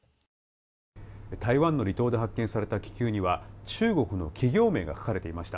台湾の離島で発見された気球には中国の企業名が書かれていました。